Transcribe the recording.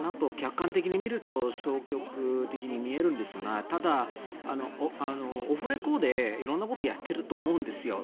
ＮＡＴＯを客観的に見ると消極的に見えるんですがただ、オフレコで色んなことをやっていると思うんです。